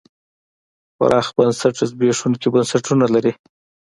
پراخ بنسټه زبېښونکي بنسټونه لري.